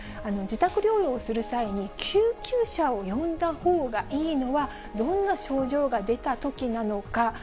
自宅療養をする際に救急車を呼んだほうがいいのは、どんな症状が出たときなのか。